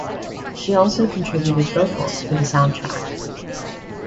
She also contributed vocals for the soundtrack.